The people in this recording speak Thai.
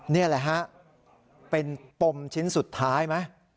นี่แหละฮะเป็นปมชิ้นสุดท้ายไหม